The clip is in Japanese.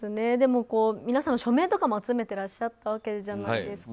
皆さん署名とかも集めていらっしゃったわけじゃないですか。